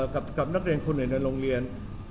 กับนักเรียนคนอื่นในโรงเรียน